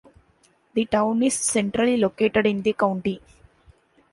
The town is centrally located in the county.